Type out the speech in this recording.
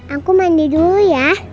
aku mandi dulu ya